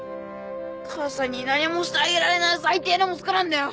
母さんに何もしてあげられない最低の息子なんだよ。